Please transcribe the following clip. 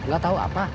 gak tau apa